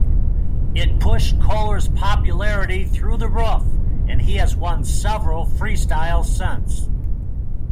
It pushed Koehler's popularity through the roof and he has won several freestyles since.